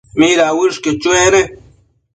¿mida uëshquio chuec ne?